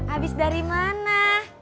abis dari mana